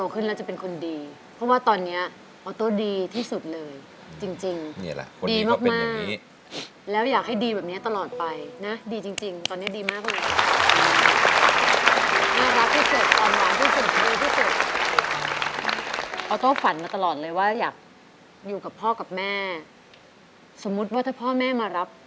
คุณยายการเรียนเป็นอย่างไรครับ